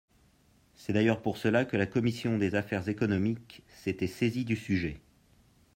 C’est d’ailleurs pour cela que la commission des affaires économiques s’était saisie du sujet.